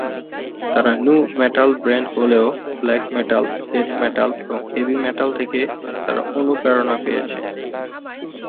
তারা nu metal band হলেও black metal, death metal এবং হেভি মেটাল থেকে তারা অনুপ্রেরণা পেয়েছে।